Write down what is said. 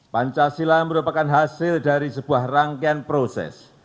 pancasila merupakan hasil dari sebuah rangkaian proses